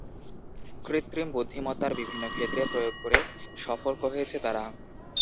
কৃত্রিম বুদ্ধিমত্তার বিভিন্ন ক্ষেত্রে প্রয়োগ করে সফল হয়েছে তারা।